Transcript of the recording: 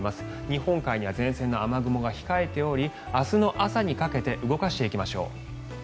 日本海には前線の雨雲が控えており明日の朝にかけて動かしていきましょう。